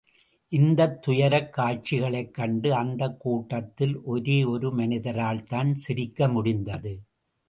இந்தத் துயரக் காட்சிகளைக் கண்டு அந்தக் கூட்டத்தில் ஒரே ஒரு மனிதரால் தான் சிரிக்க முடிந்தது.